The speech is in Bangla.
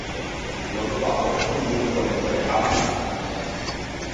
নতুবা অসুর লুঠ করে পরে আপনার স্থানে যায়।